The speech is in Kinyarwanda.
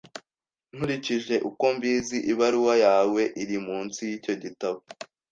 Nkurikije uko mbizi, ibaruwa yawe iri munsi yicyo gitabo.